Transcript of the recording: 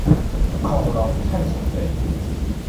恐龍探險隊